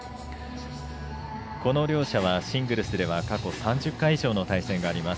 この両者はシングルスでは過去３０回以上の対戦があります。